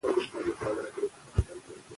پروژه د شرکت له خوا تمویل شوه.